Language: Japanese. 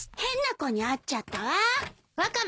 変な子に会っちゃったわ。